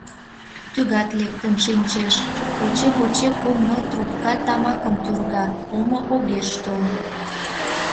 Тӱгат лектын шинчеш, поче-поче кум-ныл трупка тамакым тӱрга — омо огеш тол.